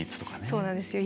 そうなんですよ。